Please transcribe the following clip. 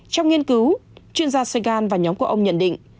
trong nghiên cứu chuyên gia segan và nhóm của ông nhận định